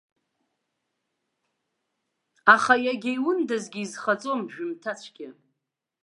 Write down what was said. Аха иагьа иундазгьы изхаҵом, жәымҭацәгьа.